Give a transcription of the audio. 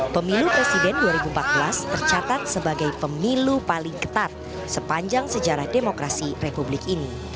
pemilu presiden dua ribu empat belas tercatat sebagai pemilu paling ketat sepanjang sejarah demokrasi republik ini